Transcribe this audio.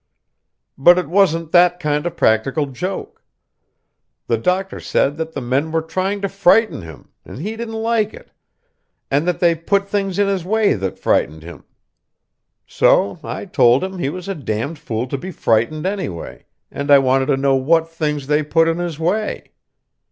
But it wasn't that kind of practical joke. The doctor said that the men were trying to frighten him, and he didn't like it, and that they put things in his way that frightened him. So I told him he was a d d fool to be frightened, anyway, and I wanted to know what things they put in his way.